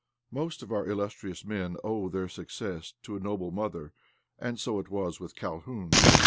Most of our illustrious men owe their success to a noble mother, and so it was with Calhoun.